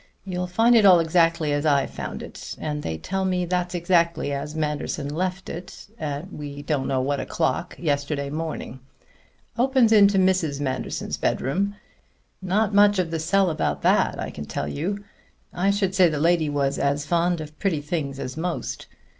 You'll find it all exactly as I found it; and they tell me that's exactly as Manderson left it at we don't know what o'clock yesterday morning. Opens into Mrs. Manderson's bedroom not much of the cell about that, I can tell you. I should say the lady was as fond of pretty things as most.